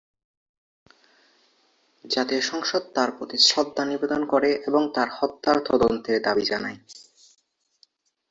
জাতীয় সংসদ তার প্রতি শ্রদ্ধা নিবেদন করে এবং তার হত্যার তদন্তের দাবি জানায়।